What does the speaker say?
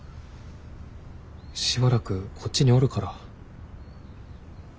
しばらくこっちにおるから。